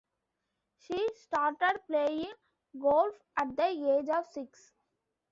She started playing golf at the age of six.